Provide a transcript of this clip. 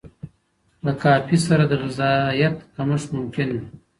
له کافي سره د غذایت کمښت ممکن وي.